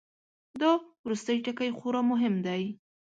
دا وروستی ټکی خورا مهم دی.